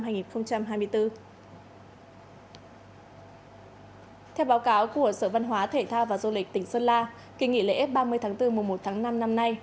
theo báo cáo của sở văn hóa thể thao và du lịch tỉnh sơn la kỳ nghỉ lễ ba mươi tháng bốn mùa một tháng năm năm nay